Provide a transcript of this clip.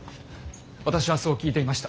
私はそう聞いていました。